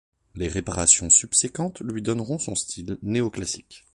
Les réparations subséquentes lui donneront son style néoclassique.